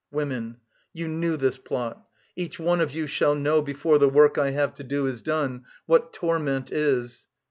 Women: you knew this plot. Each one of you Shall know, before the work I have to do Is done, what torment is.